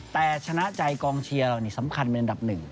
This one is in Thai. แต่ชนะใจกองเชียร์เรานี่สำคัญเป็นอันดับหนึ่ง